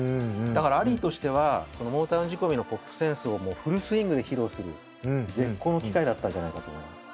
だからアリーとしてはモータウン仕込みのポップセンスをもうフルスイングで披露する絶好の機会だったんじゃないかと思います。